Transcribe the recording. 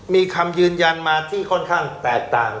มีคำยืนยันมาที่ค่อนข้าง